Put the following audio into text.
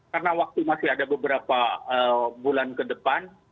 karena waktu masih ada beberapa bulan ke depan